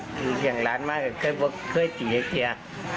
คืออย่างหลานมากเคยเจี๋ยเจี๋ย